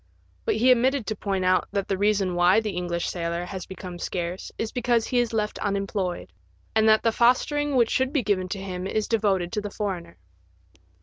But he omitted to point out that the 164 THE BRITISH SAILOR. reason why the English sailor has become scarce is because he is left unemployed, and that the fostering which should be given to him is devoted to the foreigner.